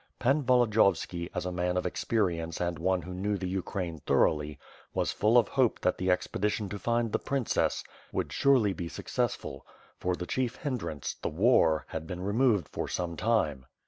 Pan Volodiyovski, as a man of experience and one who knew the Ukraine thoroughly, was full of hope that the expedition to find the princess would surely be suc cessful; for the chief hindrance, the war, had been removed for some time.